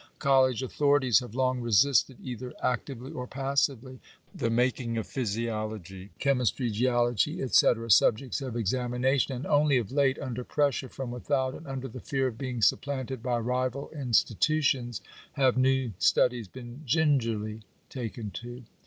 College authorities have long resisted, either actively or pas sively, the making of physiology, chemistry, geology, &c., sub jects of examination; and only of late, under pressure from without, and under the fear of being supplanted by rival in stitutions, have new studies been gingerly token to.